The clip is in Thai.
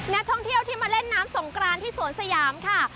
นักท่องเที่ยวที่มาเล่นน้ำสงกรานที่สวนสยามค่ะ